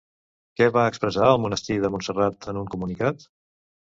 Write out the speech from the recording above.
Què va expressar el monestir de Montserrat en un comunicat?